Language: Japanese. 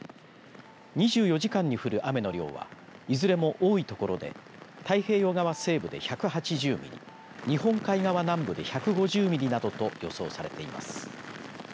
２４時間に降る雨の量はいずれも多い所で太平洋側西部で１８０ミリ日本海側南部で１５０ミリなどと予想されています。